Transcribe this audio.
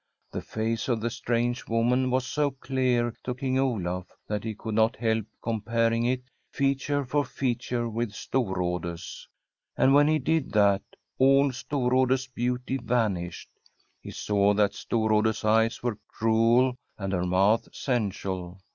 Tlie face of the strange woman was so clear to King Olaf that he could not help comparing it, feature for feature, with [i6sl « SW^EDISH HOMESTEAD StocrideV And when he did that all Storrade's l>caaty vanished. He saw that Storrade's eyes w«e cmel and her mouth sensual.